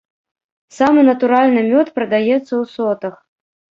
Самы натуральны мёд прадаецца ў сотах.